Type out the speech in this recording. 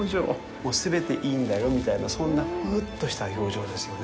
もう“全ていいんだよ”みたいな、そんな、ふうっとした表情ですよね。